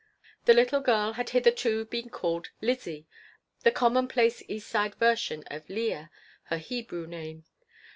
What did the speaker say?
The little girl had hitherto been called Lizzie, the commonplace East Side version of Leah, her Hebrew name.